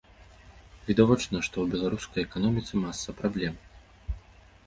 Відавочна, што ў беларускай эканоміцы маса праблем.